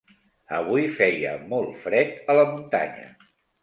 Avui feia molt fred a la muntanya.